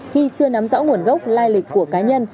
khi chưa nắm rõ nguồn gốc lai lịch của cá nhân